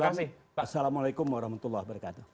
assalamualaikum warahmatullah wabarakatuh